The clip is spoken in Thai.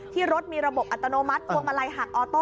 รถมีระบบอัตโนมัติพวงมาลัยหักออโต้